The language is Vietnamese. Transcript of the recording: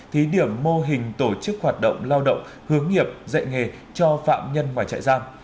thí điểm mô hình tổ chức hoạt động lao động hướng nghiệp dạy nghề cho phạm nhân ngoài trại giam